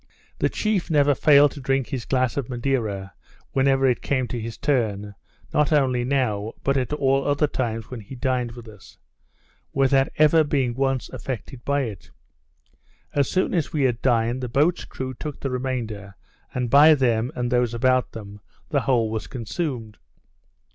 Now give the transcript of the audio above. The chief never failed to drink his glass of Madeira whenever it came to his turn, not only now, but at all other times when he dined with us, without ever being once affected by it. As soon as we had dined, the boat's crew took the remainder; and by them, and those about them, the whole was consumed.